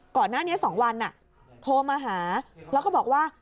ก่อนหน้านี้๒วันโทรมาหาแล้วก็บอกว่า